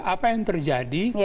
apa yang terjadi